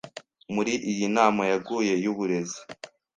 Muri iyi nama yaguye y’Uburezi